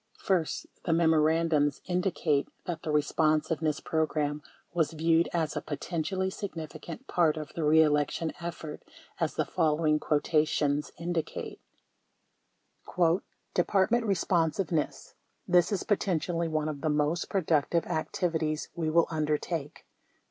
First, the memorandums indicate that the Eespon siveness Program was viewed as a potentially significant part of the reelection effort as the following quotations indicate: "Department Eesponsiveness : This is potentially one of the most productive activi ties we will undertake."